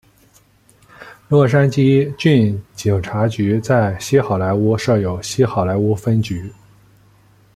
洛杉矶郡警察局在西好莱坞设有西好莱坞分局。